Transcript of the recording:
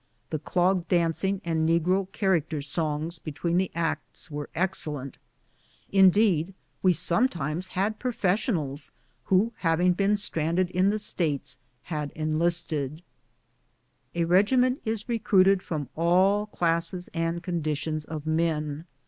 The clog dancing and negro character songs between the acts were excellent. Indeed, we sometimes had profes sionals, who, having been stranded in the States, had enlisted. 103 BOOTS AND SADDLES. A regiment is recruited from all classes and condi tions of men.